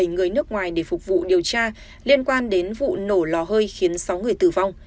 bảy người nước ngoài để phục vụ điều tra liên quan đến vụ nổ lò hơi khiến sáu người tử vong